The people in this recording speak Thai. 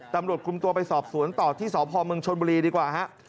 ตำรวจกลุ่มตัวไปสอบสวนต่อที่สอบภอมเมืองชนบุรีดีกว่าฮะ